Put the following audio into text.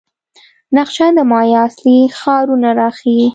نقشه د مایا اصلي ښارونه راښيي.